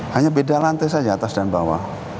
hanya beda lantai saja atas dan bawah